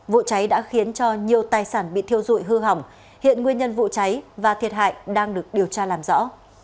vụ cháy đã khiến cho nhiều tài sản bị thiêu dụi hư hỏng hiện nguyên nhân vụ cháy và thiệt hại đang được điều tra làm rõ